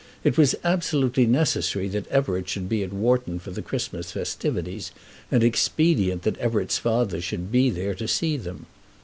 It was absolutely necessary that Everett should be at Wharton for the Christmas festivities, and expedient that Everett's father should be there to see them.